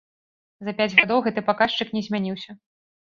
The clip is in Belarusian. За пяць гадоў гэты паказчык не змяніўся.